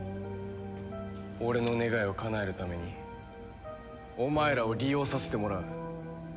俺の願いをかなえるためにお前らを利用させてもらう。